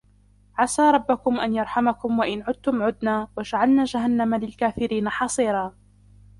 عسى ربكم أن يرحمكم وإن عدتم عدنا وجعلنا جهنم للكافرين حصيرا